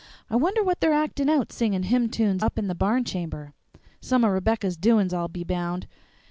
I wonder what they're actin' out, singin' hymn tunes up in the barn chamber? Some o' Rebecca's doins, I'll be bound!